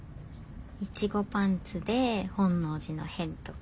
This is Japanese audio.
「いちごパンツで本能寺の変」とか。